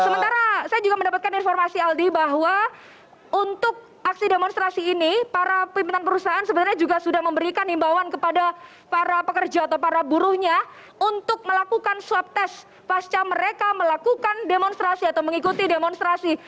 sementara saya juga mendapatkan informasi aldi bahwa untuk aksi demonstrasi ini para pimpinan perusahaan sebenarnya juga sudah memberikan himbauan kepada para pekerja atau para buruhnya untuk melakukan swab test pasca mereka melakukan demonstrasi atau mengikuti demonstrasi